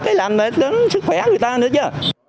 nó ảnh hưởng đến sức khỏe người ta nữa chứ